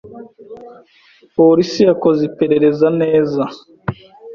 Polisi yekoze iperereze neze